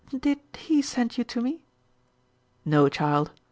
"Did he send you to me?" "No, child.